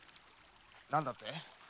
何だって？